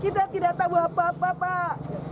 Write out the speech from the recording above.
kita tidak tahu apa apa pak